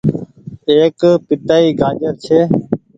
ايڪ پيتآئي گآجر ڇي ۔